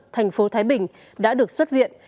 thành phố thái bình đã được xuất viện